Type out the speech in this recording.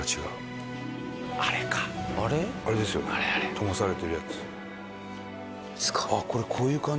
灯されてるやつ。